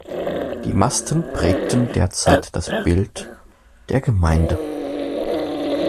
Die Masten prägten derzeit das Bild der Gemeinde.